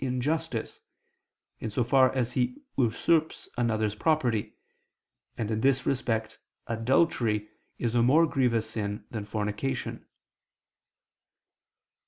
injustice, in so far as he usurps another's property; and in this respect adultery is a more grievous sin than fornication.